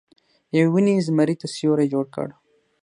یوې ونې زمري ته سیوری جوړ کړ.